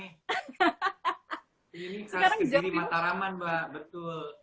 ini khas kediri mataraman mbah betul